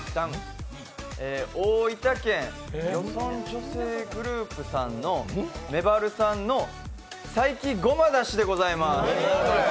大分県漁村女性グループめばるさんの佐伯ごまだしでございます。